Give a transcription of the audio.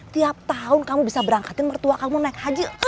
tiap tahun kamu bisa berangkatin mertua kamu naik haji